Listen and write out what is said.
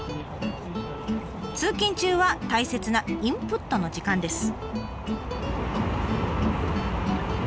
通勤中は大切なインプットの時間です。